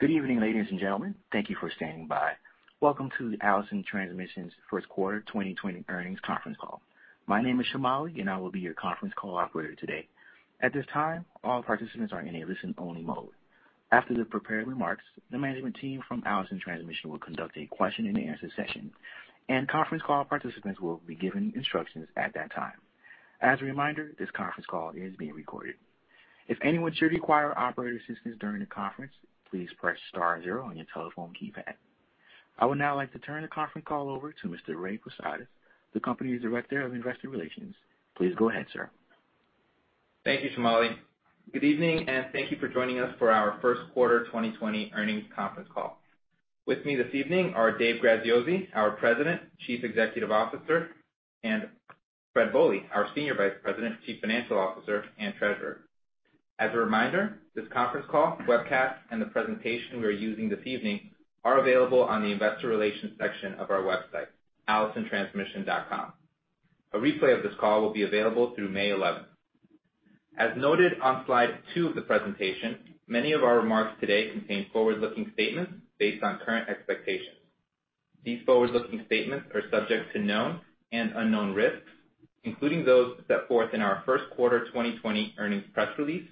Good evening, ladies and gentlemen. Thank you for standing by. Welcome to the Allison Transmission's First Quarter 2020 Earnings Conference Call. My name is Shamali, and I will be your conference call operator today. At this time, all participants are in a listen-only mode. After the prepared remarks, the management team from Allison Transmission will conduct a question-and-answer session, and conference call participants will be given instructions at that time. As a reminder, this conference call is being recorded. If anyone should require operator assistance during the conference, please press star zero on your telephone keypad. I would now like to turn the conference call over to Mr. Ray Posadas, the company's Director of Investor Relations. Please go ahead, sir. Thank you, Shamali. Good evening, and thank you for joining us for our first quarter 2020 earnings conference call. With me this evening are Dave Graziosi, our President, Chief Executive Officer, and Fred Bohley, our Senior Vice President, Chief Financial Officer, and Treasurer. As a reminder, this conference call, webcast, and the presentation we are using this evening are available on the investor relations section of our website, allisontransmission.com. A replay of this call will be available through May 11. As noted on slide two of the presentation, many of our remarks today contain forward-looking statements based on current expectations. These forward-looking statements are subject to known and unknown risks, including those set forth in our first quarter 2020 earnings press release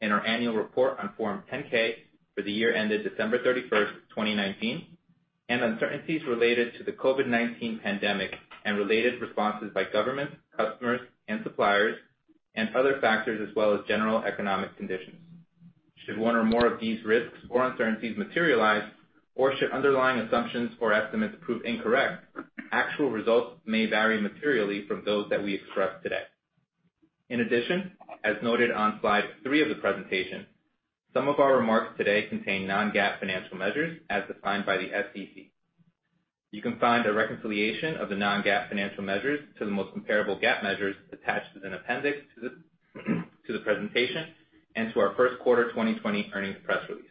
and our annual report on Form 10-K for the year ended December 31st, 2019, and uncertainties related to the COVID-19 pandemic and related responses by governments, customers, and suppliers, and other factors as well as general economic conditions. Should one or more of these risks or uncertainties materialize, or should underlying assumptions or estimates prove incorrect, actual results may vary materially from those that we express today. In addition, as noted on slide three of the presentation, some of our remarks today contain non-GAAP financial measures as defined by the SEC. You can find a reconciliation of the non-GAAP financial measures to the most comparable GAAP measures attached as an appendix to the presentation and to our first quarter 2020 earnings press release.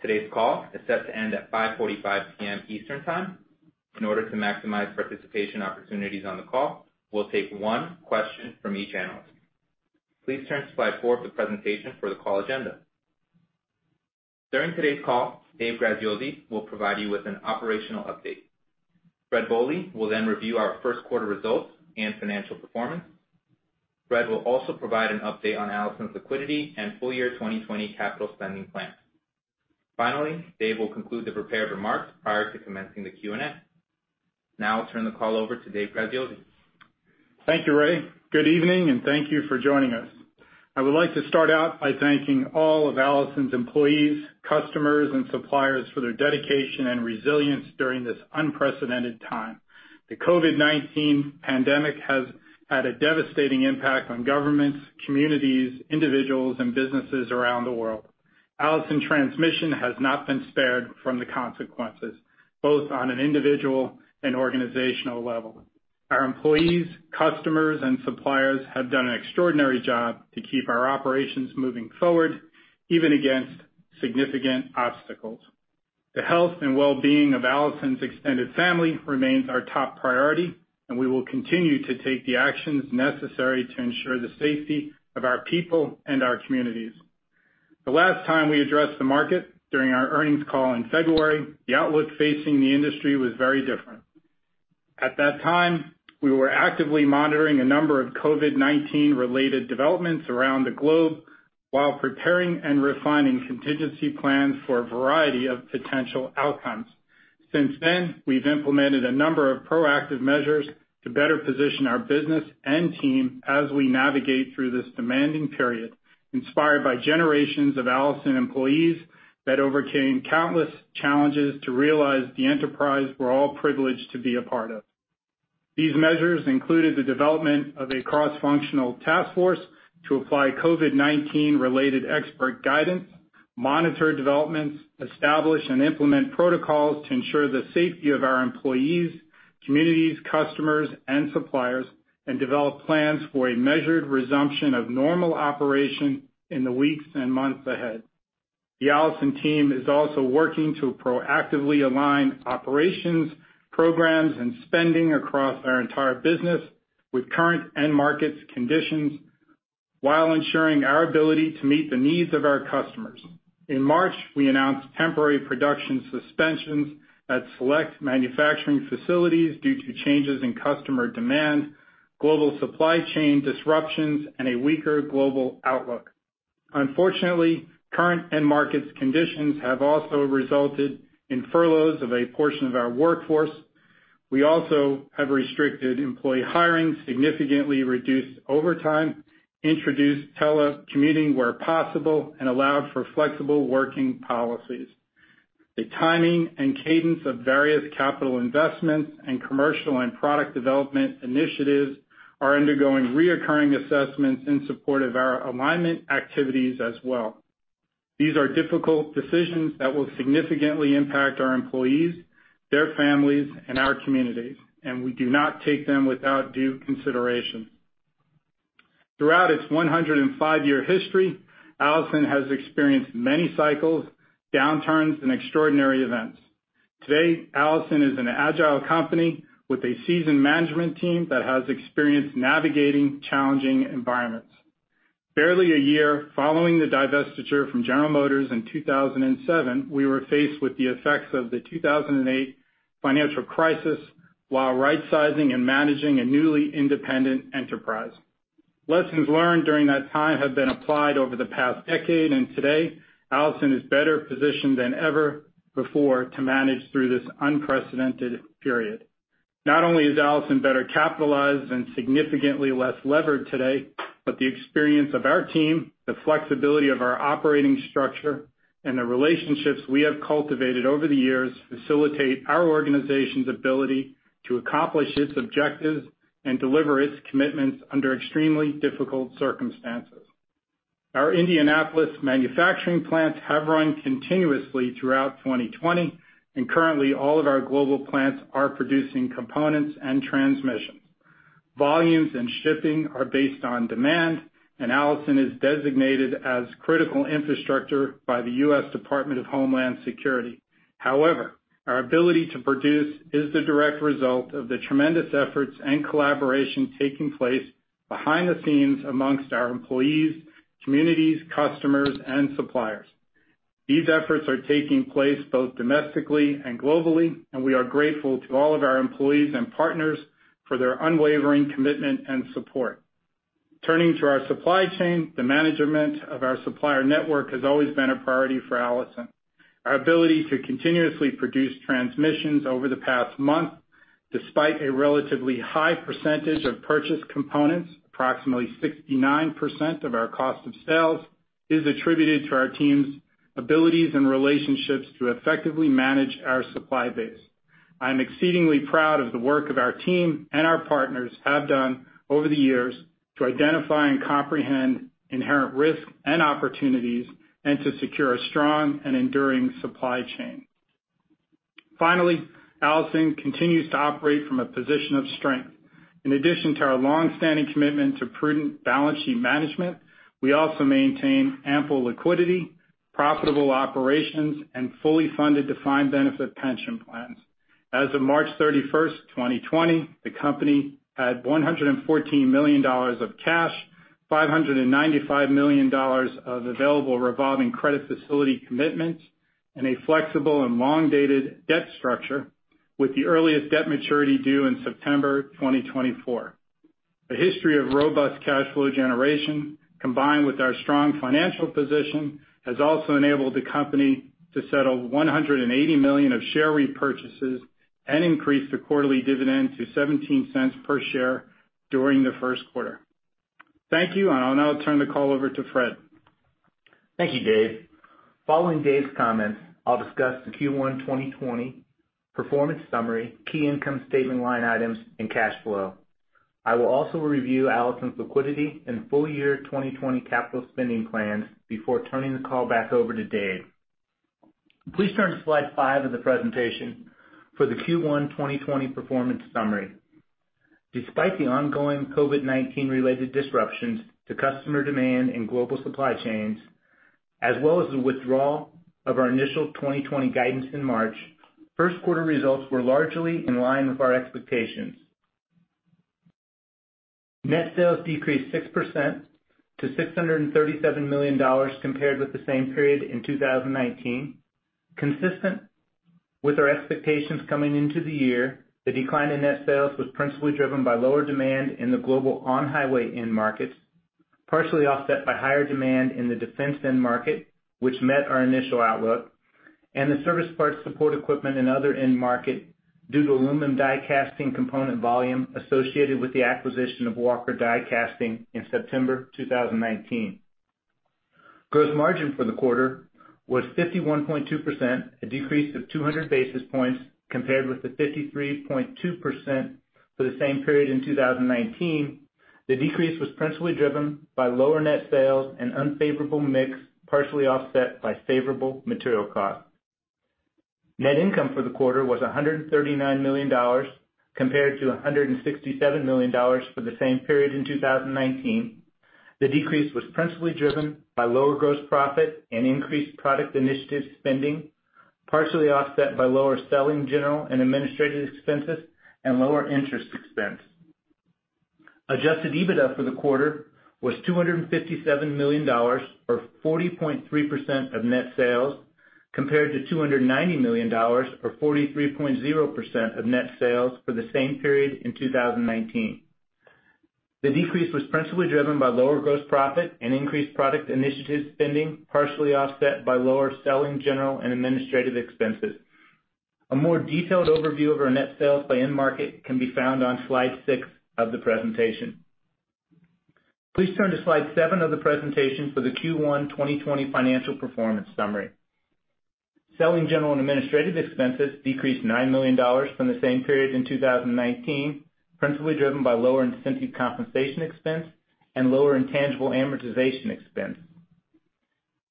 Today's call is set to end at 5:45 P.M. Eastern Time. In order to maximize participation opportunities on the call, we'll take one question from each analyst. Please turn to slide four of the presentation for the call agenda. During today's call, Dave Graziosi will provide you with an operational update. Fred Bohley will then review our first quarter results and financial performance. Fred will also provide an update on Allison's liquidity and full year 2020 capital spending plans. Finally, Dave will conclude the prepared remarks prior to commencing the Q&A. Now I'll turn the call over to Dave Graziosi. Thank you, Ray. Good evening, and thank you for joining us. I would like to start out by thanking all of Allison's employees, customers, and suppliers for their dedication and resilience during this unprecedented time. The COVID-19 pandemic has had a devastating impact on governments, communities, individuals, and businesses around the world. Allison Transmission has not been spared from the consequences, both on an individual and organizational level. Our employees, customers, and suppliers have done an extraordinary job to keep our operations moving forward, even against significant obstacles. The health and well-being of Allison's extended family remains our top priority, and we will continue to take the actions necessary to ensure the safety of our people and our communities. The last time we addressed the market, during our earnings call in February, the outlook facing the industry was very different. At that time, we were actively monitoring a number of COVID-19-related developments around the globe while preparing and refining contingency plans for a variety of potential outcomes. Since then, we've implemented a number of proactive measures to better position our business and team as we navigate through this demanding period, inspired by generations of Allison employees that overcame countless challenges to realize the enterprise we're all privileged to be a part of. These measures included the development of a cross-functional task force to apply COVID-19-related expert guidance, monitor developments, establish and implement protocols to ensure the safety of our employees, communities, customers, and suppliers, and develop plans for a measured resumption of normal operation in the weeks and months ahead. The Allison team is also working to proactively align operations, programs, and spending across our entire business with current end markets conditions, while ensuring our ability to meet the needs of our customers. In March, we announced temporary production suspensions at select manufacturing facilities due to changes in customer demand, global supply chain disruptions, and a weaker global outlook. Unfortunately, current end markets conditions have also resulted in furloughs of a portion of our workforce. We also have restricted employee hiring, significantly reduced overtime, introduced telecommuting where possible, and allowed for flexible working policies. The timing and cadence of various capital investments and commercial and product development initiatives are undergoing recurring assessments in support of our alignment activities as well. These are difficult decisions that will significantly impact our employees, their families, and our communities, and we do not take them without due consideration. Throughout its 105-year history, Allison has experienced many cycles, downturns, and extraordinary events.... Today, Allison is an agile company with a seasoned management team that has experience navigating challenging environments. Barely a year following the divestiture from General Motors in 2007, we were faced with the effects of the 2008 financial crisis, while rightsizing and managing a newly independent enterprise. Lessons learned during that time have been applied over the past decade, and today, Allison is better positioned than ever before to manage through this unprecedented period. Not only is Allison better capitalized and significantly less levered today, but the experience of our team, the flexibility of our operating structure, and the relationships we have cultivated over the years facilitate our organization's ability to accomplish its objectives and deliver its commitments under extremely difficult circumstances. Our Indianapolis manufacturing plants have run continuously throughout 2020, and currently, all of our global plants are producing components and transmissions. Volumes and shipping are based on demand, and Allison is designated as critical infrastructure by the U.S. Department of Homeland Security. However, our ability to produce is the direct result of the tremendous efforts and collaboration taking place behind the scenes amongst our employees, communities, customers, and suppliers. These efforts are taking place both domestically and globally, and we are grateful to all of our employees and partners for their unwavering commitment and support. Turning to our supply chain, the management of our supplier network has always been a priority for Allison. Our ability to continuously produce transmissions over the past month, despite a relatively high percentage of purchased components, approximately 69% of our cost of sales, is attributed to our team's abilities and relationships to effectively manage our supply base. I am exceedingly proud of the work of our team and our partners have done over the years to identify and comprehend inherent risks and opportunities and to secure a strong and enduring supply chain. Finally, Allison continues to operate from a position of strength. In addition to our long-standing commitment to prudent balance sheet management, we also maintain ample liquidity, profitable operations, and fully funded defined benefit pension plans. As of March 31st, 2020, the company had $114 million of cash, $595 million of available revolving credit facility commitments, and a flexible and long-dated debt structure, with the earliest debt maturity due in September 2024. A history of robust cash flow generation, combined with our strong financial position, has also enabled the company to settle $180 million of share repurchases and increase the quarterly dividend to $0.17 per share during the first quarter. Thank you, and I'll now turn the call over to Fred. Thank you, Dave. Following Dave's comments, I'll discuss the Q1 2020 performance summary, key income statement line items, and cash flow. I will also review Allison's liquidity and full year 2020 capital spending plans before turning the call back over to Dave. Please turn to slide five of the presentation for the Q1 2020 performance summary. Despite the ongoing COVID-19 related disruptions to customer demand and global supply chains, as well as the withdrawal of our initial 2020 guidance in March, first quarter results were largely in line with our expectations. Net sales decreased 6% to $637 million compared with the same period in 2019. Consistent with our expectations coming into the year, the decline in net sales was principally driven by lower demand in the global on-highway end markets, partially offset by higher demand in the defense end market, which met our initial outlook, and the service parts, support equipment, and other end market due to aluminum die casting component volume associated with the acquisition of Walker Die Casting in September 2019. Gross margin for the quarter was 51.2%, a decrease of 200 basis points compared with the 53.2% for the same period in 2019. The decrease was principally driven by lower net sales and unfavorable mix, partially offset by favorable material costs. Net income for the quarter was $139 million, compared to $167 million for the same period in 2019. The decrease was principally driven by lower gross profit and increased product initiative spending, partially offset by lower selling, general, and administrative expenses and lower interest expense. Adjusted EBITDA for the quarter was $257 million, or 40.3% of net sales, compared to $290 million, or 43.0% of net sales, for the same period in 2019. The decrease was principally driven by lower gross profit and increased product initiative spending, partially offset by lower selling, general, and administrative expenses. A more detailed overview of our net sales by end market can be found on slide six of the presentation. Please turn to slide seven of the presentation for the Q1 2020 financial performance summary. Selling, general, and administrative expenses decreased $9 million from the same period in 2019, principally driven by lower incentive compensation expense and lower intangible amortization expense.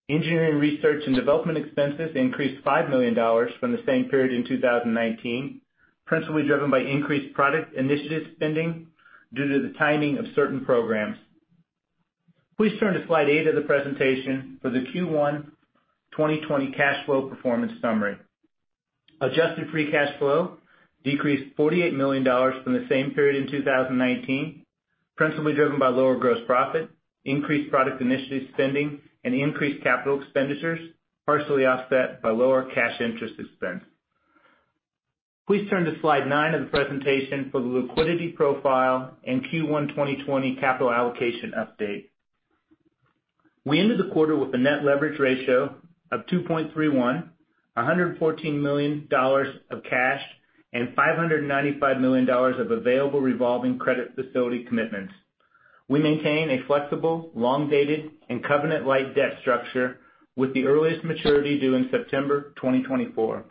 Engineering, research, and development expenses increased $5 million from the same period in 2019, principally driven by increased product initiative spending due to the timing of certain programs.... Please turn to slide eight of the presentation for the Q1 2020 cash flow performance summary. Adjusted free cash flow decreased $48 million from the same period in 2019, principally driven by lower gross profit, increased product initiative spending, and increased capital expenditures, partially offset by lower cash interest expense. Please turn to slide nine of the presentation for the liquidity profile and Q1 2020 capital allocation update. We ended the quarter with a net leverage ratio of 2.31, $114 million of cash, and $595 million of available revolving credit facility commitments. We maintain a flexible, long-dated, and covenant-light debt structure, with the earliest maturity due in September 2024.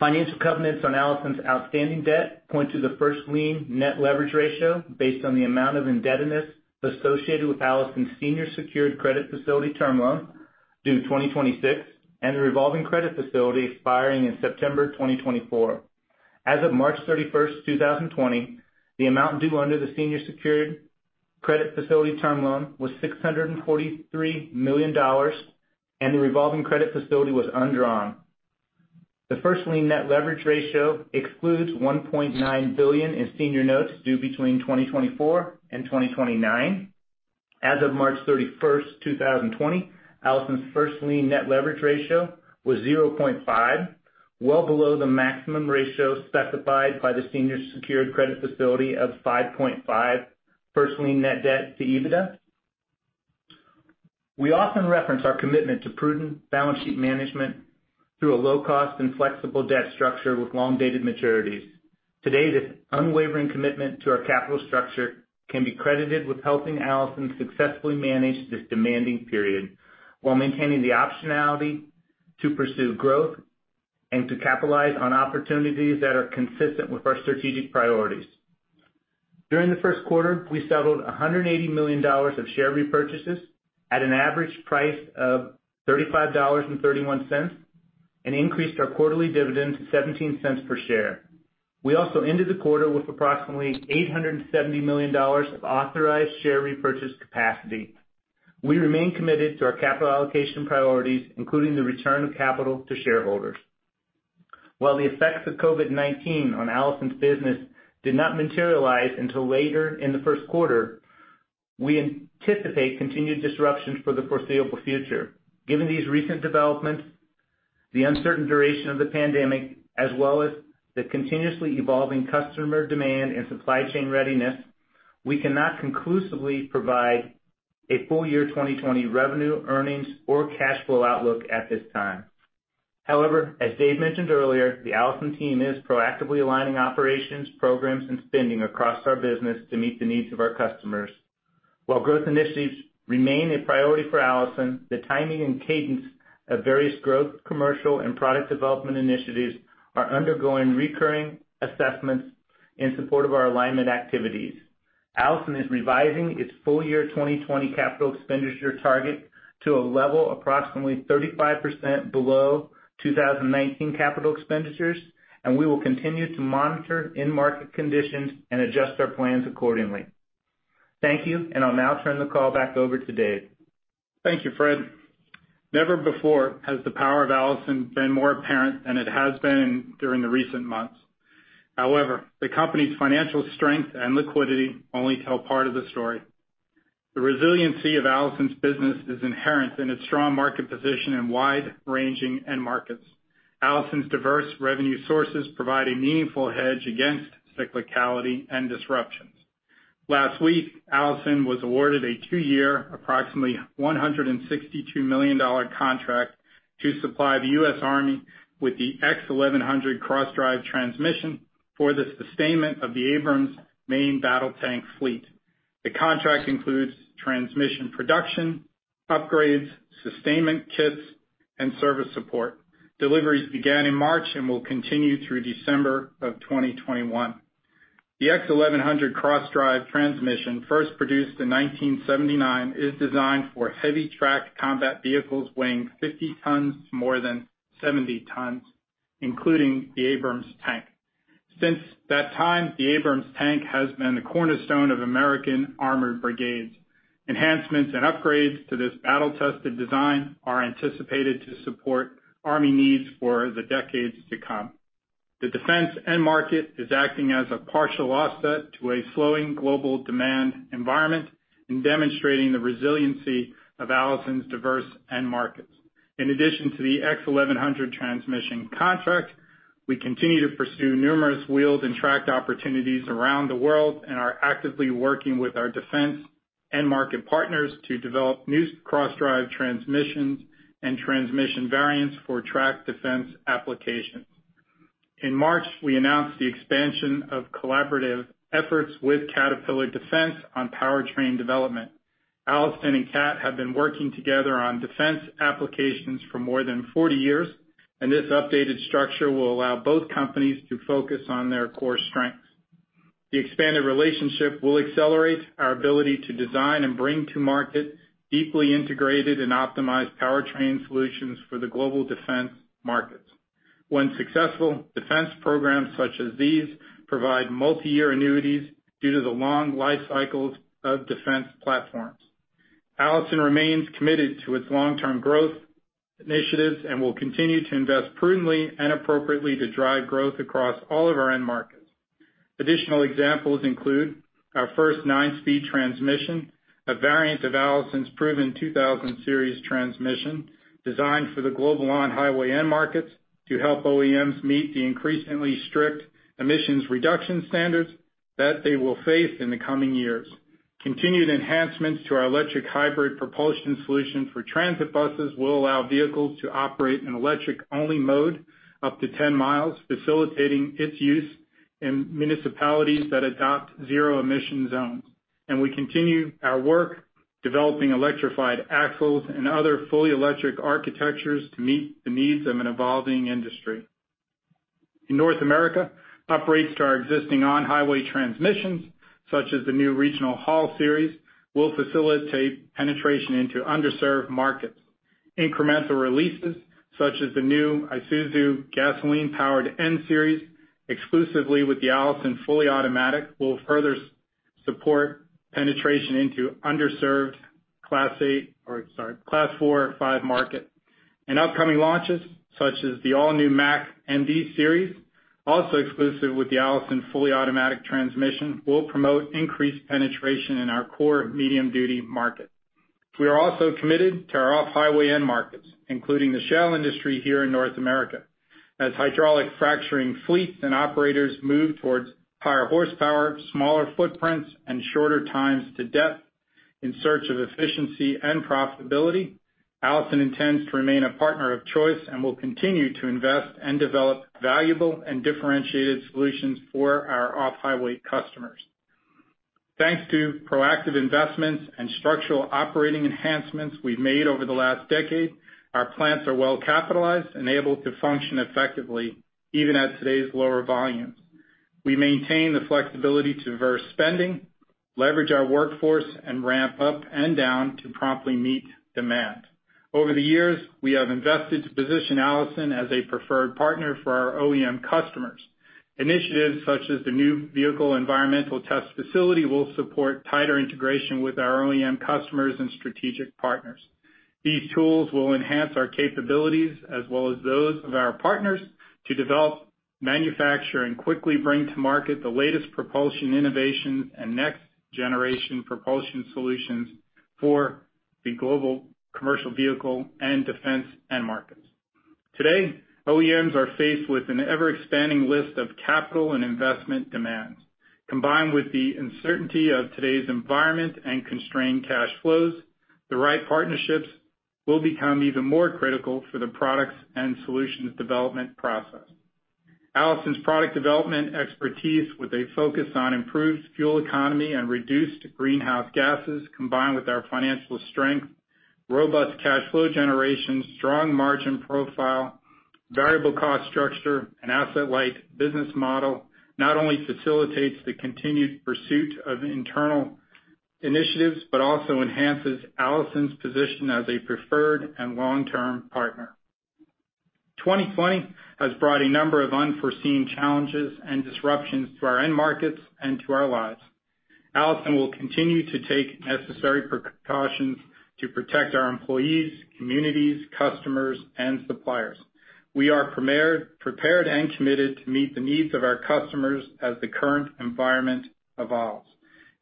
Financial covenants on Allison's outstanding debt point to the first lien net leverage ratio based on the amount of indebtedness associated with Allison's senior secured credit facility term loan due 2026, and a revolving credit facility expiring in September 2024. As of March 31st, 2020, the amount due under the senior secured credit facility term loan was $643 million, and the revolving credit facility was undrawn. The first lien net leverage ratio excludes $1.9 billion in senior notes due between 2024 and 2029. As of March 31st, 2020, Allison's first lien net leverage ratio was 0.5, well below the maximum ratio specified by the senior secured credit facility of 5.5 first lien net debt to EBITDA. We often reference our commitment to prudent balance sheet management through a low-cost and flexible debt structure with long-dated maturities. Today, this unwavering commitment to our capital structure can be credited with helping Allison successfully manage this demanding period, while maintaining the optionality to pursue growth and to capitalize on opportunities that are consistent with our strategic priorities. During the first quarter, we settled $180 million of share repurchases at an average price of $35.31, and increased our quarterly dividend to $0.17 per share. We also ended the quarter with approximately $870 million of authorized share repurchase capacity. We remain committed to our capital allocation priorities, including the return of capital to shareholders. While the effects of COVID-19 on Allison's business did not materialize until later in the first quarter, we anticipate continued disruptions for the foreseeable future. Given these recent developments, the uncertain duration of the pandemic, as well as the continuously evolving customer demand and supply chain readiness, we cannot conclusively provide a full year 2020 revenue, earnings, or cash flow outlook at this time. However, as Dave mentioned earlier, the Allison team is proactively aligning operations, programs, and spending across our business to meet the needs of our customers. While growth initiatives remain a priority for Allison, the timing and cadence of various growth, commercial, and product development initiatives are undergoing recurring assessments in support of our alignment activities. Allison is revising its full year 2020 capital expenditure target to a level approximately 35% below 2019 capital expenditures, and we will continue to monitor end market conditions and adjust our plans accordingly. Thank you, and I'll now turn the call back over to Dave. Thank you, Fred. Never before has the power of Allison been more apparent than it has been during the recent months. However, the company's financial strength and liquidity only tell part of the story. The resiliency of Allison's business is inherent in its strong market position in wide-ranging end markets. Allison's diverse revenue sources provide a meaningful hedge against cyclicality and disruptions. Last week, Allison was awarded a two-year, approximately $162 million contract to supply the U.S. Army with the X1100 cross-drive transmission for the sustainment of the Abrams main battle tank fleet. The contract includes transmission production, upgrades, sustainment kits, and service support. Deliveries began in March and will continue through December of 2021. The X1100 cross-drive transmission, first produced in 1979, is designed for heavy-tracked combat vehicles weighing 50 tons to more than 70 tons, including the Abrams tank. Since that time, the Abrams tank has been the cornerstone of American armored brigades. Enhancements and upgrades to this battle-tested design are anticipated to support Army needs for the decades to come. The defense end market is acting as a partial offset to a slowing global demand environment and demonstrating the resiliency of Allison's diverse end markets. In addition to the X1100 transmission contract, we continue to pursue numerous wheeled and tracked opportunities around the world and are actively working with our defense end market partners to develop new cross-drive transmissions and transmission variants for tracked defense applications. In March, we announced the expansion of collaborative efforts with Caterpillar Defense on powertrain development. Allison and Cat have been working together on defense applications for more than 40 years, and this updated structure will allow both companies to focus on their core strengths. The expanded relationship will accelerate our ability to design and bring to market deeply integrated and optimized powertrain solutions for the global defense markets. When successful, defense programs such as these provide multiyear annuities due to the long life cycles of defense platforms. Allison remains committed to its long-term growth initiatives and will continue to invest prudently and appropriately to drive growth across all of our end markets. Additional examples include our first nine-speed transmission, a variant of Allison's proven 2000 Series transmission, designed for the global on-highway end markets to help OEMs meet the increasingly strict emissions reduction standards that they will face in the coming years. Continued enhancements to our electric hybrid propulsion solution for transit buses will allow vehicles to operate in electric-only mode up to 10 mi, facilitating its use in municipalities that adopt zero emission zones. We continue our work developing electrified axles and other fully electric architectures to meet the needs of an evolving industry. In North America, upgrades to our existing on-highway transmissions, such as the new Regional Haul Series, will facilitate penetration into underserved markets. Incremental releases, such as the new Isuzu gasoline-powered N-Series, exclusively with the Allison fully automatic, will further support penetration into underserved Class A, or sorry, Class 4-5 market. Upcoming launches, such as the all-new Mack MD Series, also exclusive with the Allison fully automatic transmission, will promote increased penetration in our core medium-duty market. We are also committed to our off-highway end markets, including the shale industry here in North America. As hydraulic fracturing fleets and operators move towards higher horsepower, smaller footprints, and shorter times to depth in search of efficiency and profitability, Allison intends to remain a partner of choice and will continue to invest and develop valuable and differentiated solutions for our off-highway customers. Thanks to proactive investments and structural operating enhancements we've made over the last decade, our plants are well capitalized and able to function effectively, even at today's lower volumes. We maintain the flexibility to curb spending, leverage our workforce, and ramp up and down to promptly meet demand. Over the years, we have invested to position Allison as a preferred partner for our OEM customers. Initiatives such as the new Vehicle Environmental Test facility will support tighter integration with our OEM customers and strategic partners. These tools will enhance our capabilities as well as those of our partners to develop, manufacture, and quickly bring to market the latest propulsion innovations and next-generation propulsion solutions for the global commercial vehicle and defense end markets. Today, OEMs are faced with an ever-expanding list of capital and investment demands. Combined with the uncertainty of today's environment and constrained cash flows, the right partnerships will become even more critical for the products and solutions development process. Allison's product development expertise, with a focus on improved fuel economy and reduced greenhouse gases, combined with our financial strength, robust cash flow generation, strong margin profile, variable cost structure, and asset-light business model, not only facilitates the continued pursuit of internal initiatives, but also enhances Allison's position as a preferred and long-term partner. 2020 has brought a number of unforeseen challenges and disruptions to our end markets and to our lives. Allison will continue to take necessary precautions to protect our employees, communities, customers, and suppliers. We are prepared and committed to meet the needs of our customers as the current environment evolves.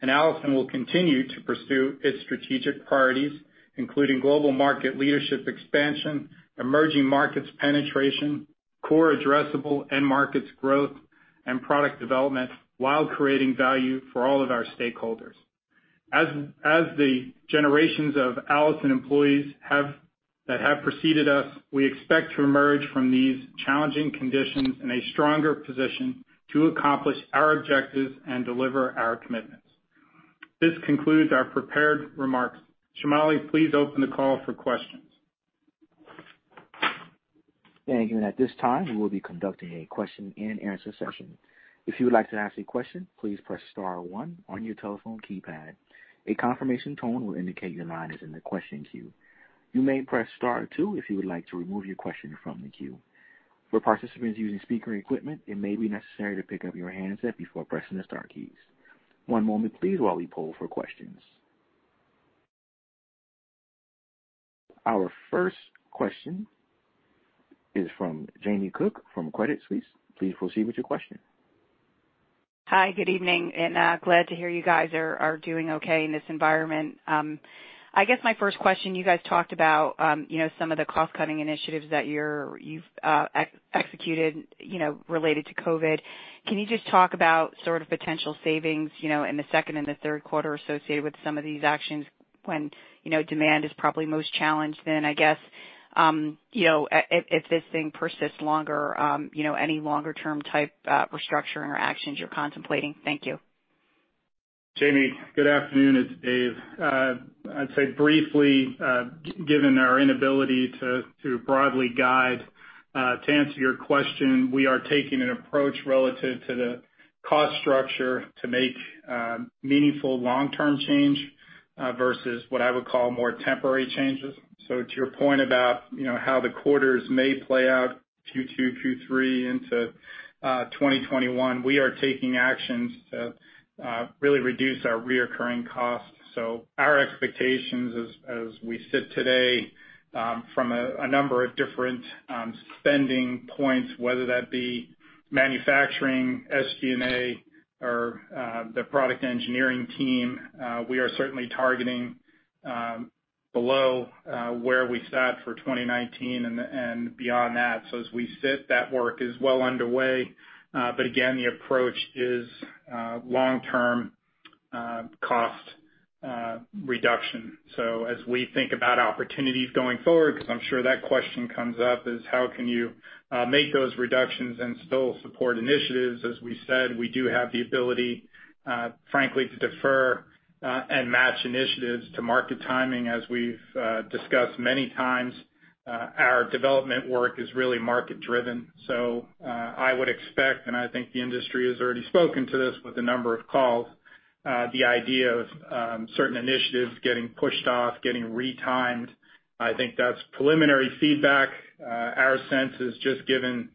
Allison will continue to pursue its strategic priorities, including global market leadership expansion, emerging markets penetration, core addressable end markets growth, and product development, while creating value for all of our stakeholders. As the generations of Allison employees that have preceded us, we expect to emerge from these challenging conditions in a stronger position to accomplish our objectives and deliver our commitments. This concludes our prepared remarks. Shamali, please open the call for questions. Thank you. At this time, we will be conducting a question-and-answer session. If you would like to ask a question, please press star one on your telephone keypad. A confirmation tone will indicate your line is in the question queue. You may press star two if you would like to remove your question from the queue. For participants using speaker equipment, it may be necessary to pick up your handset before pressing the star keys. One moment please while we poll for questions. Our first question is from Jamie Cook from Credit Suisse. Please proceed with your question. Hi, good evening, and glad to hear you guys are doing okay in this environment. I guess my first question, you guys talked about, you know, some of the cost-cutting initiatives that you've executed, you know, related to COVID. Can you just talk about sort of potential savings, you know, in the second and the third quarter associated with some of these actions when, you know, demand is probably most challenged, then I guess, you know, if this thing persists longer, you know, any longer term type restructuring or actions you're contemplating? Thank you.... Jamie, good afternoon. It's Dave. I'd say briefly, given our inability to broadly guide, to answer your question, we are taking an approach relative to the cost structure to make meaningful long-term change versus what I would call more temporary changes. So to your point about, you know, how the quarters may play out, Q2, Q3 into 2021, we are taking actions to really reduce our reoccurring costs. So our expectations as we sit today, from a number of different spending points, whether that be manufacturing, SG&A, or the product engineering team, we are certainly targeting below where we sat for 2019 and beyond that. So as we sit, that work is well underway, but again, the approach is long-term cost reduction. So as we think about opportunities going forward, because I'm sure that question comes up, is how can you make those reductions and still support initiatives? As we said, we do have the ability, frankly, to defer and match initiatives to market timing. As we've discussed many times, our development work is really market driven. So, I would expect, and I think the industry has already spoken to this with a number of calls, the idea of certain initiatives getting pushed off, getting retimed. I think that's preliminary feedback. Our sense is just given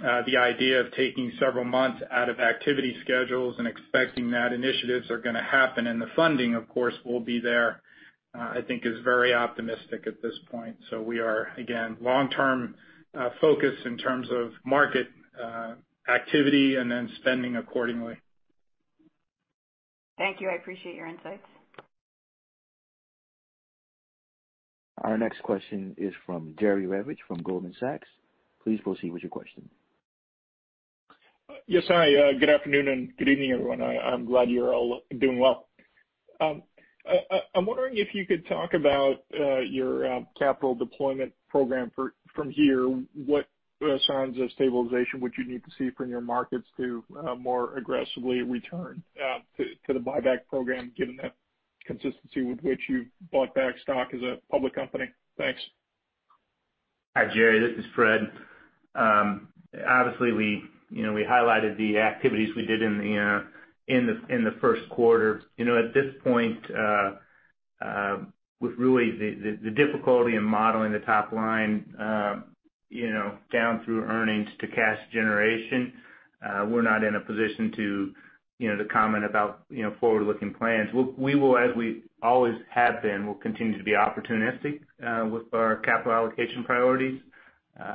the idea of taking several months out of activity schedules and expecting that initiatives are gonna happen, and the funding, of course, will be there, I think is very optimistic at this point. So we are, again, long-term, focused in terms of market activity and then spending accordingly. Thank you. I appreciate your insights. Our next question is from Jerry Revich from Goldman Sachs. Please proceed with your question. Yes, hi, good afternoon and good evening, everyone. I'm glad you're all doing well. I'm wondering if you could talk about your capital deployment program from here. What signs of stabilization would you need to see from your markets to more aggressively return to the buyback program, given the consistency with which you've bought back stock as a public company? Thanks. Hi, Jerry, this is Fred. Obviously, we, you know, we highlighted the activities we did in the first quarter. You know, at this point, with really the difficulty in modeling the top line, you know, down through earnings to cash generation, we're not in a position to, you know, to comment about, you know, forward-looking plans. We will, as we always have been, will continue to be opportunistic with our capital allocation priorities.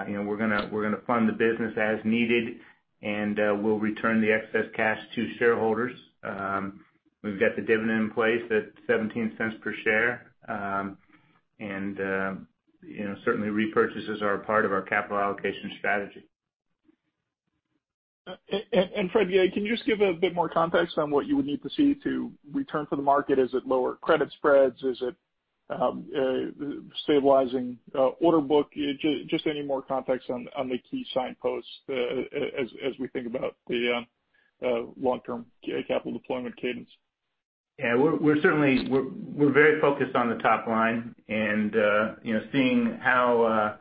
You know, we're gonna fund the business as needed, and we'll return the excess cash to shareholders. We've got the dividend in place at $0.17 per share. And, you know, certainly repurchases are a part of our capital allocation strategy. And Fred, yeah, can you just give a bit more context on what you would need to see to return to the market? Is it lower credit spreads? Is it stabilizing order book? Just any more context on the key signposts as we think about the long-term capital deployment cadence. Yeah, we're certainly very focused on the top line and, you know, seeing how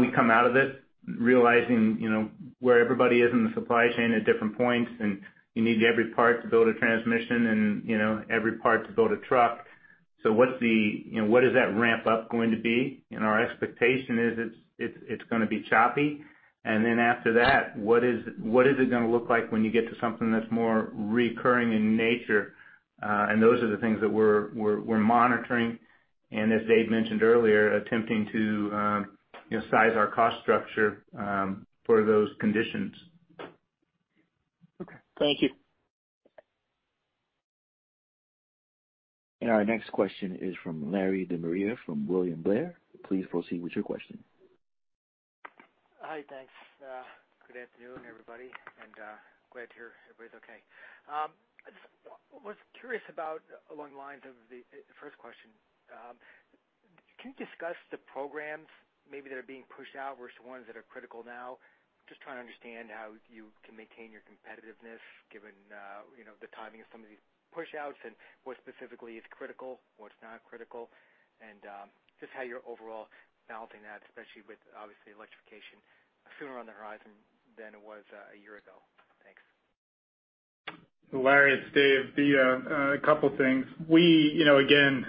we come out of it, realizing, you know, where everybody is in the supply chain at different points, and you need every part to build a transmission and, you know, every part to build a truck. So what's that ramp up going to be? And our expectation is it's gonna be choppy. And then after that, what is it gonna look like when you get to something that's more recurring in nature? And those are the things that we're monitoring, and as Dave mentioned earlier, attempting to, you know, size our cost structure for those conditions. Okay. Thank you. Our next question is from Larry De Maria, from William Blair. Please proceed with your question. Hi, thanks. Good afternoon, everybody, and glad to hear everybody's okay. I just was curious about along the lines of the first question, can you discuss the programs maybe that are being pushed out versus the ones that are critical now? Just trying to understand how you can maintain your competitiveness given, you know, the timing of some of these pushouts and what specifically is critical, what's not critical, and just how you're overall balancing that, especially with, obviously, electrification sooner on the horizon than it was a year ago. Thanks. Larry, it's Dave. A couple things. We, you know, again,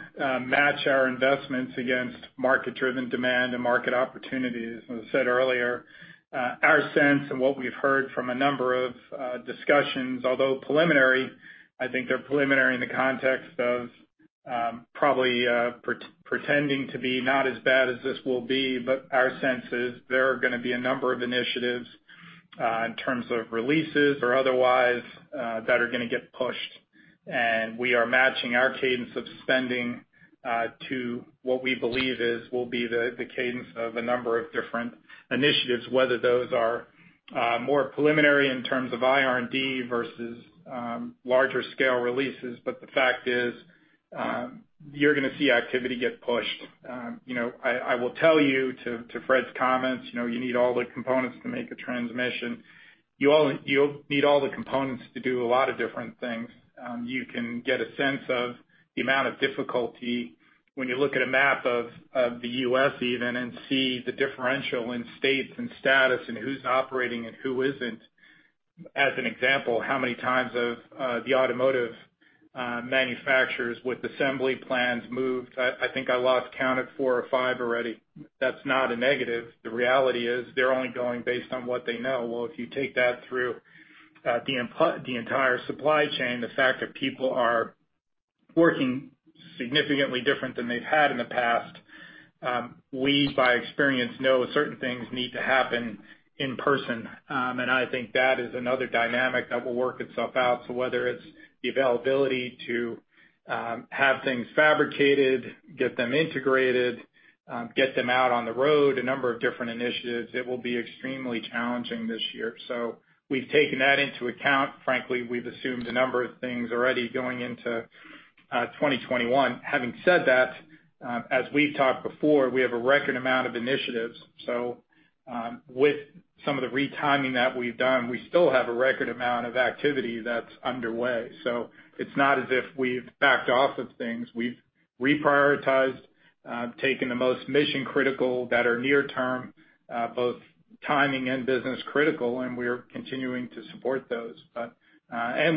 match our investments against market-driven demand and market opportunities. As I said earlier, our sense and what we've heard from a number of discussions, although preliminary, I think they're preliminary in the context of, probably, pretending to be not as bad as this will be. But our sense is there are gonna be a number of initiatives, in terms of releases or otherwise, that are gonna get pushed, and we are matching our cadence of spending, to what we believe is will be the, the cadence of a number of different initiatives, whether those are, more preliminary in terms of IR&D versus, larger scale releases. But the fact is-... you're gonna see activity get pushed. You know, I will tell you to Fred's comments, you know, you need all the components to make a transmission. You'll need all the components to do a lot of different things. You can get a sense of the amount of difficulty when you look at a map of the U.S. even, and see the differential in states and status and who's operating and who isn't. As an example, how many times have the automotive manufacturers with assembly plants moved? I think I lost count at four or five already. That's not a negative. The reality is, they're only going based on what they know. Well, if you take that through, the entire supply chain, the fact that people are working significantly different than they've had in the past, we, by experience, know certain things need to happen in person. And I think that is another dynamic that will work itself out. So whether it's the availability to, have things fabricated, get them integrated, get them out on the road, a number of different initiatives, it will be extremely challenging this year. So we've taken that into account. Frankly, we've assumed a number of things already going into 2021. Having said that, as we've talked before, we have a record amount of initiatives. So, with some of the retiming that we've done, we still have a record amount of activity that's underway. So it's not as if we've backed off of things. We've reprioritized, taken the most mission-critical that are near term, both timing and business-critical, and we are continuing to support those.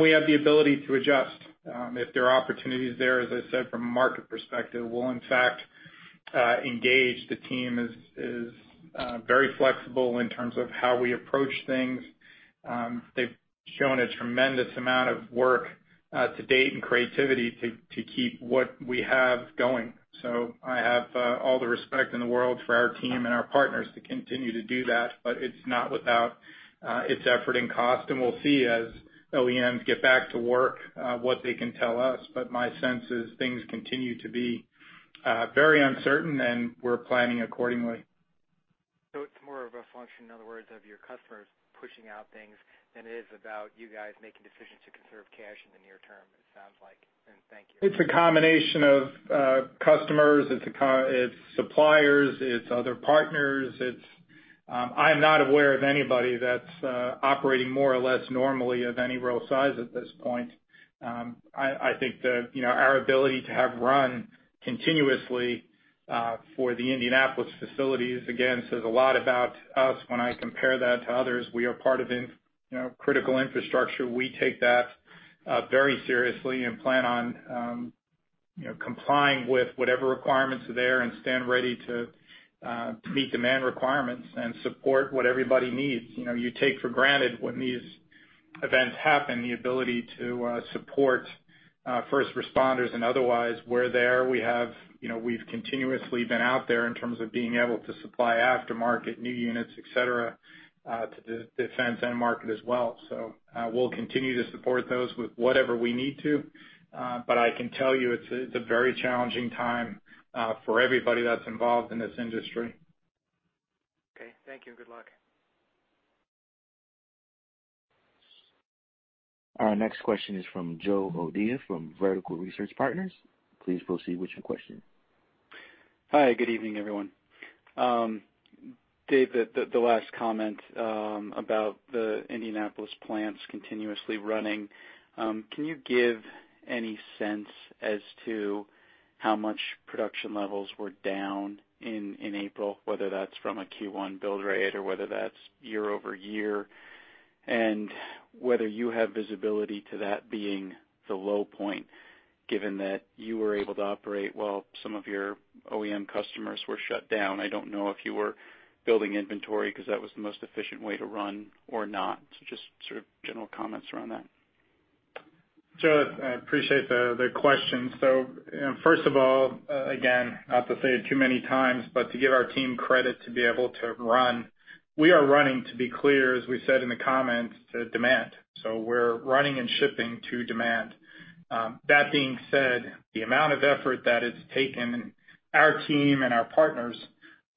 We have the ability to adjust, if there are opportunities there, as I said, from a market perspective, we'll in fact engage. The team is very flexible in terms of how we approach things. They've shown a tremendous amount of work to date and creativity to keep what we have going. I have all the respect in the world for our team and our partners to continue to do that, but it's not without its effort and cost. We'll see as OEMs get back to work what they can tell us. But my sense is things continue to be very uncertain, and we're planning accordingly. It's more of a function, in other words, of your customers pushing out things than it is about you guys making decisions to conserve cash in the near term, it sounds like. Thank you. It's a combination of customers, it's suppliers, it's other partners, it's. I'm not aware of anybody that's operating more or less normally of any real size at this point. I think that, you know, our ability to have run continuously for the Indianapolis facilities, again, says a lot about us when I compare that to others. We are part of, you know, critical infrastructure. We take that very seriously and plan on, you know, complying with whatever requirements are there and stand ready to meet demand requirements and support what everybody needs. You know, you take for granted when these events happen, the ability to support first responders and otherwise, we're there. You know, we've continuously been out there in terms of being able to supply aftermarket, new units, et cetera, to the defense end market as well. So, we'll continue to support those with whatever we need to, but I can tell you, it's a, it's a very challenging time for everybody that's involved in this industry. Okay. Thank you, and good luck. Our next question is from Joe O'Dea from Vertical Research Partners. Please proceed with your question. Hi, good evening, everyone. Dave, the last comment about the Indianapolis plants continuously running, can you give any sense as to how much production levels were down in April, whether that's from a Q1 build rate or whether that's year over year? And whether you have visibility to that being the low point, given that you were able to operate while some of your OEM customers were shut down. I don't know if you were building inventory because that was the most efficient way to run or not. So just sort of general comments around that. Joe, I appreciate the question. So, first of all, again, not to say it too many times, but to give our team credit to be able to run. We are running, to be clear, as we said in the comments, to demand. So we're running and shipping to demand. That being said, the amount of effort that it's taken our team and our partners,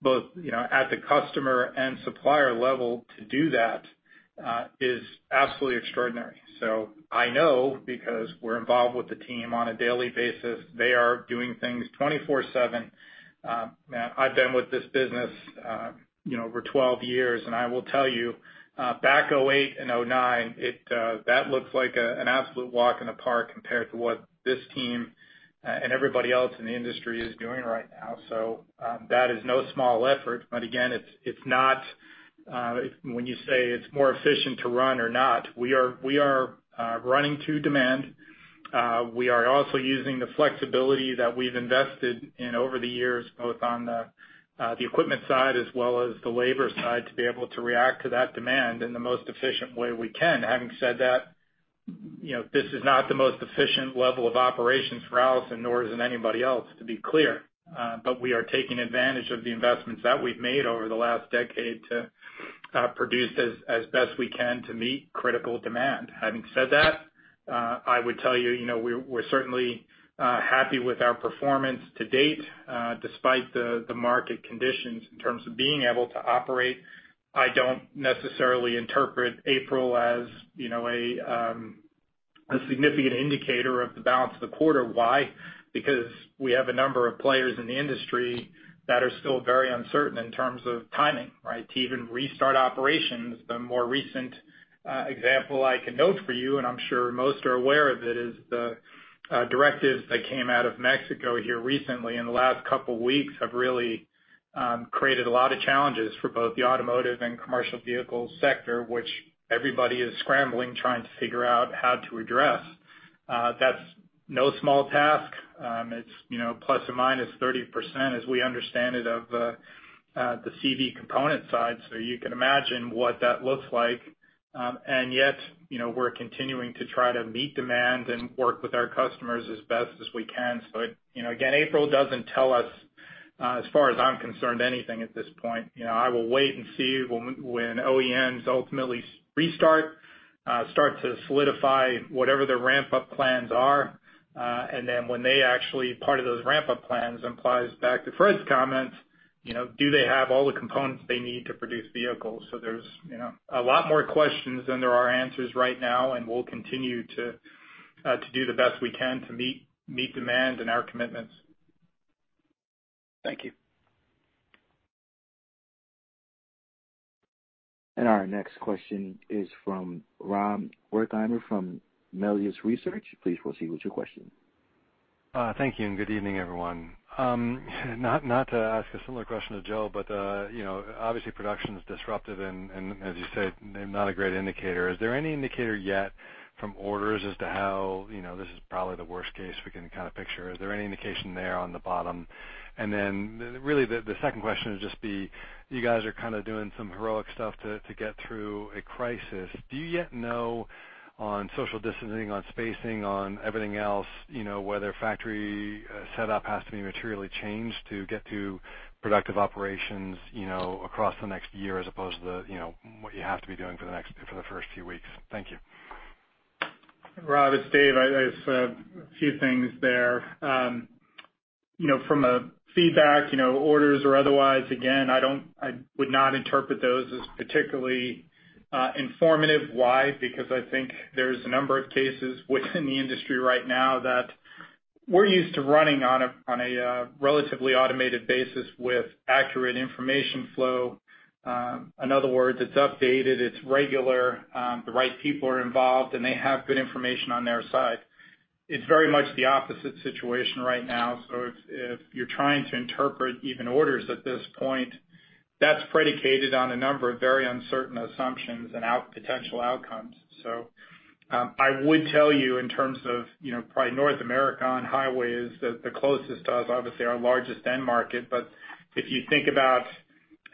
both, you know, at the customer and supplier level to do that, is absolutely extraordinary. So I know because we're involved with the team on a daily basis, they are doing things 24/7. I've been with this business, you know, over 12 years, and I will tell you, back 2008 and 2009, that looks like an absolute walk in the park compared to what this team and everybody else in the industry is doing right now. So, that is no small effort, but again, it's, it's not, when you say it's more efficient to run or not, we are, we are, running to demand. We are also using the flexibility that we've invested in over the years, both on the equipment side as well as the labor side, to be able to react to that demand in the most efficient way we can. Having said that, you know, this is not the most efficient level of operations for Allison, nor is it anybody else, to be clear. But we are taking advantage of the investments that we've made over the last decade to produce as best we can to meet critical demand. Having said that, I would tell you, you know, we're certainly happy with our performance to date, despite the market conditions in terms of being able to operate. I don't necessarily interpret April as, you know, a significant indicator of the balance of the quarter. Why? Because we have a number of players in the industry that are still very uncertain in terms of timing, right? To even restart operations. The more recent example I can note for you, and I'm sure most are aware of it, is the directives that came out of Mexico here recently in the last couple weeks, have really created a lot of challenges for both the automotive and commercial vehicle sector, which everybody is scrambling, trying to figure out how to address. That's no small task. It's, you know, ±30% as we understand it, of the CV component side, so you can imagine what that looks like. And yet, you know, we're continuing to try to meet demand and work with our customers as best as we can. So, you know, again, April doesn't tell us, as far as I'm concerned, anything at this point. You know, I will wait and see when OEMs ultimately restart, start to solidify whatever their ramp-up plans are. And then when they actually, part of those ramp-up plans implies back to Fred's comment, you know, do they have all the components they need to produce vehicles? So there's, you know, a lot more questions than there are answers right now, and we'll continue to do the best we can to meet demand and our commitments. Thank you. Our next question is from Rob Wertheimer from Melius Research. Please proceed with your question. Thank you, and good evening, everyone. Not to ask a similar question to Joe, but you know, obviously production is disrupted, and as you say, not a great indicator. Is there any indicator yet from orders as to how, you know, this is probably the worst case we can kind of picture. Is there any indication there on the bottom? And then really, the second question would just be: You guys are kind of doing some heroic stuff to get through a crisis. Do you yet know on social distancing, on spacing, on everything else, you know, whether factory setup has to be materially changed to get to productive operations, you know, across the next year as opposed to the, you know, what you have to be doing for the next—for the first few weeks? Thank you. Rob, it's Dave. I. So a few things there. You know, from a feedback, you know, orders or otherwise, again, I don't. I would not interpret those as particularly, informative. Why? Because I think there's a number of cases within the industry right now that we're used to running on a relatively automated basis with accurate information flow. In other words, it's updated, it's regular, the right people are involved, and they have good information on their side. It's very much the opposite situation right now. So if you're trying to interpret even orders at this point, that's predicated on a number of very uncertain assumptions and potential outcomes. So, I would tell you in terms of, you know, probably North America on highways, the closest to us, obviously our largest end market. But if you think about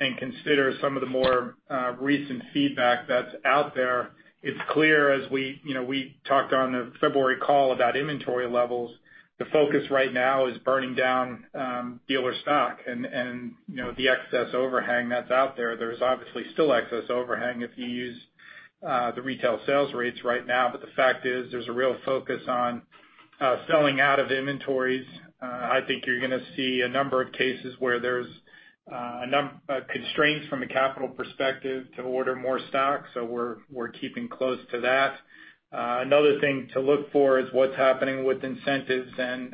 and consider some of the more, recent feedback that's out there, it's clear as we, you know, we talked on the February call about inventory levels. The focus right now is burning down, dealer stock and, and, you know, the excess overhang that's out there. There's obviously still excess overhang if you use, the retail sales rates right now, but the fact is there's a real focus on, selling out of inventories. I think you're gonna see a number of cases where there's, a constraints from a capital perspective to order more stock, so we're, we're keeping close to that. Another thing to look for is what's happening with incentives and,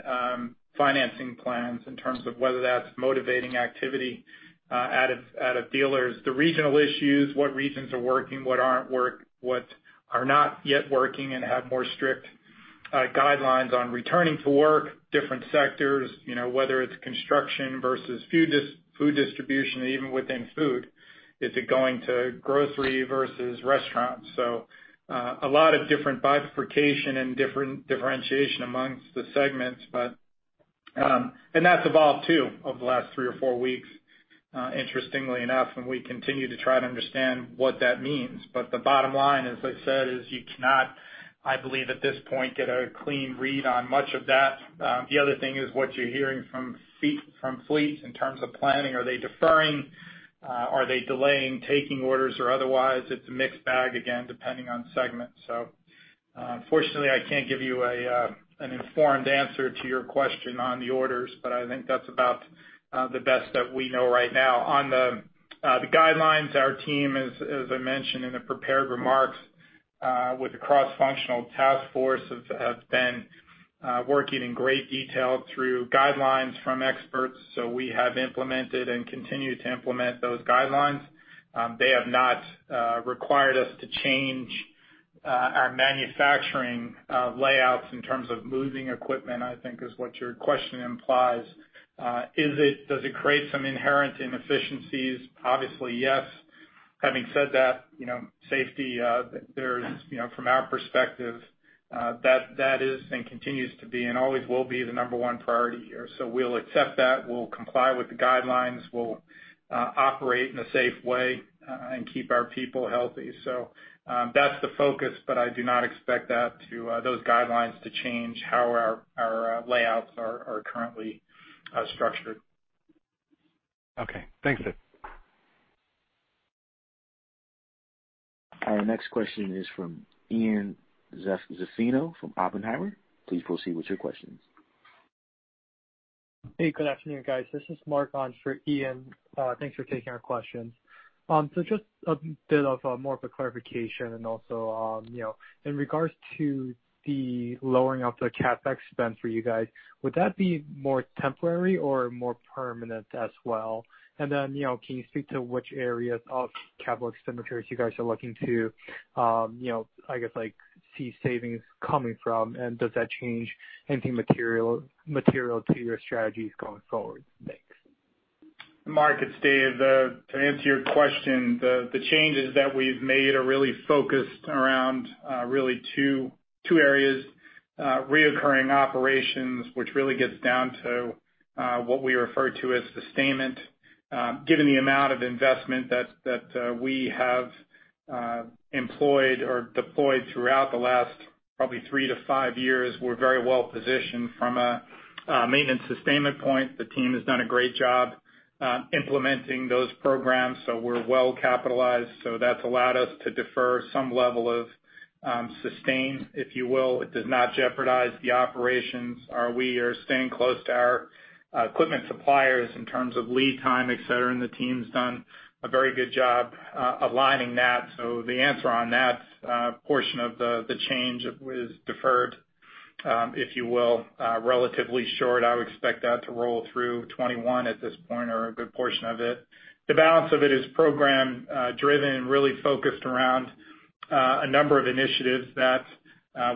financing plans in terms of whether that's motivating activity, out of, out of dealers. The regional issues, what regions are working, what are not yet working and have more strict guidelines on returning to work, different sectors, you know, whether it's construction versus food distribution, and even within food, is it going to grocery versus restaurants? So, a lot of different bifurcation and different differentiation amongst the segments, but. And that's evolved, too, over the last three or four weeks, interestingly enough, and we continue to try to understand what that means. But the bottom line, as I said, is you cannot, I believe, at this point, get a clean read on much of that. The other thing is what you're hearing from fleets in terms of planning. Are they deferring? Are they delaying taking orders or otherwise? It's a mixed bag, again, depending on segment. So, unfortunately, I can't give you a, an informed answer to your question on the orders, but I think that's about, the best that we know right now. On the, the guidelines, our team, as, as I mentioned in the prepared remarks, with the cross-functional task force, has, has been, working in great detail through guidelines from experts. So we have implemented and continue to implement those guidelines. They have not, required us to change, our manufacturing, layouts in terms of moving equipment, I think is what your question implies. Does it create some inherent inefficiencies? Obviously, yes. Having said that, you know, safety, there is, you know, from our perspective, that, that is and continues to be and always will be the number one priority here. So we'll accept that. We'll comply with the guidelines. We'll operate in a safe way and keep our people healthy. So, that's the focus, but I do not expect that to those guidelines to change how our layouts are currently structured. Okay. Thanks, Dave. Our next question is from Ian Zaffino from Oppenheimer. Please proceed with your questions. Hey, good afternoon, guys. This is Mark on for Ian. Thanks for taking our questions. So just a bit of more of a clarification and also, you know, in regards to the lowering of the CapEx spend for you guys, would that be more temporary or more permanent as well? And then, you know, can you speak to which areas of capital expenditures you guys are looking to, you know, I guess, like, see savings coming from? And does that change anything material, material to your strategies going forward? Thanks. Mark, it's Dave. To answer your question, the changes that we've made are really focused around really two areas. Recurring operations, which really gets down to what we refer to as sustainment. Given the amount of investment that we have employed or deployed throughout the last probably three to five years, we're very well positioned from a maintenance sustainment point. The team has done a great job implementing those programs, so we're well capitalized. So that's allowed us to defer some level of sustain, if you will. It does not jeopardize the operations, or we are staying close to our equipment suppliers in terms of lead time, et cetera, and the team's done a very good job aligning that. So the answer on that, portion of the change is deferred, if you will. Relatively short, I would expect that to roll through 2021 at this point, or a good portion of it. The balance of it is program driven and really focused around a number of initiatives that,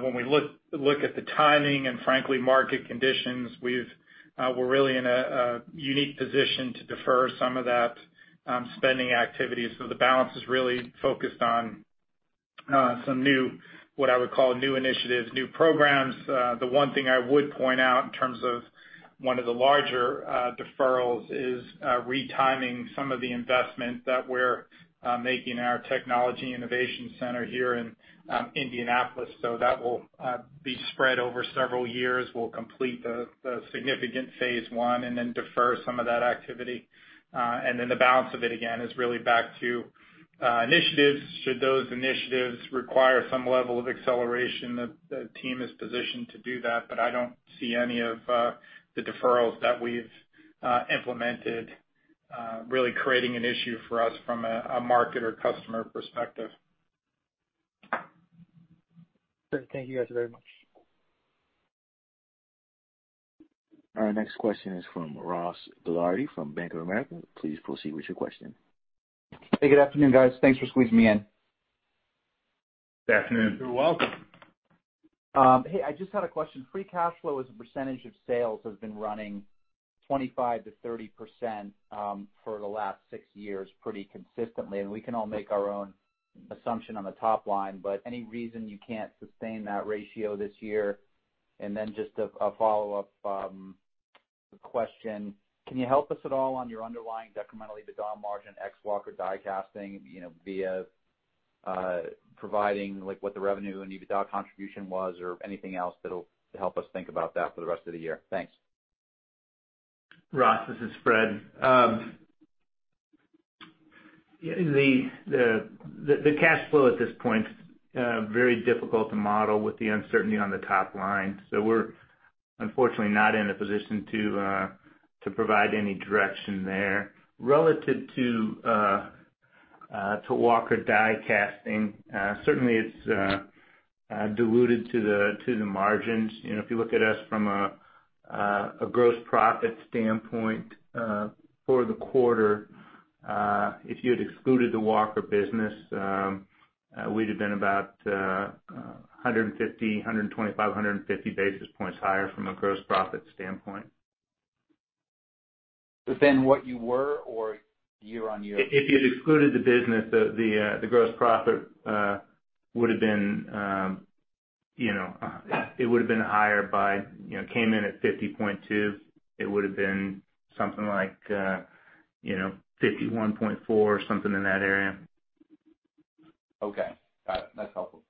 when we look at the timing and frankly, market conditions, we're really in a unique position to defer some of that spending activity. So the balance is really focused on some new, what I would call new initiatives, new programs. The one thing I would point out in terms of one of the larger deferrals is retiming some of the investment that we're making in our technology innovation center here in Indianapolis. So that will be spread over several years. We'll complete the significant phase one, and then defer some of that activity. Then the balance of it, again, is really back to initiatives. Should those initiatives require some level of acceleration, the team is positioned to do that, but I don't see any of the deferrals that we've implemented really creating an issue for us from a market or customer perspective. Great. Thank you guys very much. Our next question is from Ross Gilardi from Bank of America. Please proceed with your question. Hey, good afternoon, guys. Thanks for squeezing me in. Good afternoon. You're welcome. Hey, I just had a question. Free cash flow as a percentage of sales has been running 25%-30% for the last six years, pretty consistently, and we can all make our own assumption on the top line, but any reason you can't sustain that ratio this year? And then just a follow-up question, can you help us at all on your underlying decremental EBITDA margin ex Walker Die Casting, you know, via providing, like, what the revenue and EBITDA contribution was or anything else that'll help us think about that for the rest of the year? Thanks. Ross, this is Fred. The cash flow at this point very difficult to model with the uncertainty on the top line. So we're unfortunately not in a position to provide any direction there. Relative to Walker Die Casting, certainly it's diluted to the margins. You know, if you look at us from a gross profit standpoint, for the quarter, if you had excluded the Walker business, we'd have been about 150, 125, 150 basis points higher from a gross profit standpoint. But then what you were or year-over-year? If you had excluded the business, the gross profit would have been, you know, it would have been higher by... You know, came in at 50.2. It would have been something like, you know, 51.4 or something in that area. Okay, got it. That's helpful.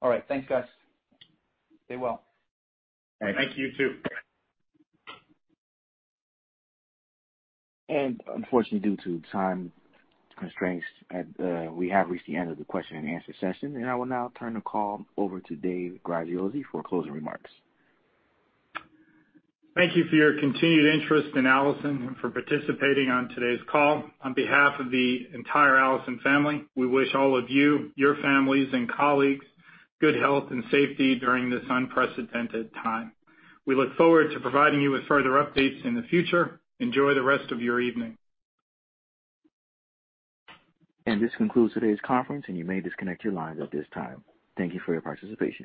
All right, thanks, guys. Stay well. Thank you, too. Unfortunately, due to time constraints, we have reached the end of the question and answer session, and I will now turn the call over to Dave Graziosi for closing remarks. Thank you for your continued interest in Allison and for participating on today's call. On behalf of the entire Allison family, we wish all of you, your families and colleagues, good health and safety during this unprecedented time. We look forward to providing you with further updates in the future. Enjoy the rest of your evening. This concludes today's conference, and you may disconnect your lines at this time. Thank you for your participation.